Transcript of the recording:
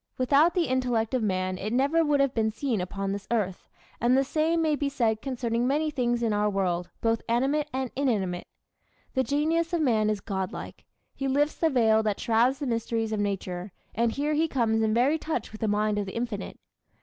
Without the intellect of man it never would have been seen upon this earth; and the same may be said concerning many things in our world, both animate and inanimate. The genius of man is God like. He lifts the veil that shrouds the mysteries of nature, and here he comes in very touch with the mind of the Infinite.